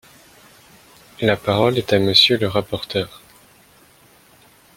La parole est à Monsieur le rapporteur.